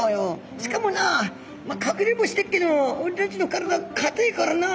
しかもなあかくれんぼしてっけども俺たちの体硬えからなあ。